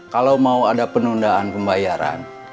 kalau mau ada penundaan pembayaran